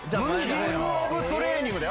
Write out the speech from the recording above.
キングオブトレーニングだよ。